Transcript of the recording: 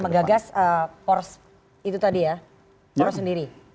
berarti golkar akan menggagas poros itu tadi ya poros sendiri